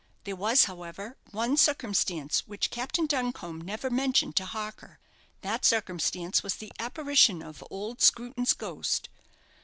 There was, however, one circumstance which Captain Duncombe never mentioned to Harker. That circumstance was the apparition of old Screwton's ghost.